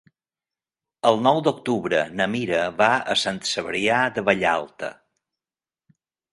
El nou d'octubre na Mira va a Sant Cebrià de Vallalta.